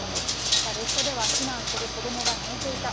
また、列車では避難する子どもが泣いていた。